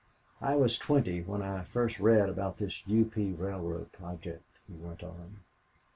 "I was twenty when I first read about this U. P. railroad project," he went on.